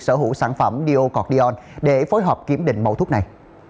sở hữu sản phẩm diocordion để phối hợp kiểm định mẫu thuốc này